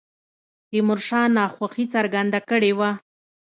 تیمور شاه ناخوښي څرګنده کړې وه.